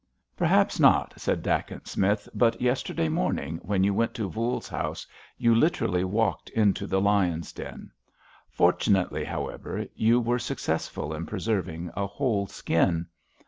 "Perhaps not," said Dacent Smith, "but yesterday morning, when you went to Voules's house, you literally walked into the lions' den. Fortunately, however, you were successful in preserving a whole skin."